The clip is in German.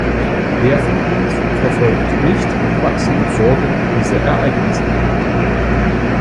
Wer von uns verfolgt nicht mit wachsender Sorge diese Ereignisse?